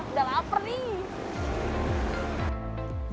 udah lapar nih